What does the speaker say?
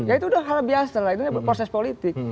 ya itu udah hal biasa lah itu proses politik